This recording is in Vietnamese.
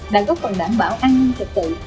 đã góp phần đảm bảo an ninh trật tự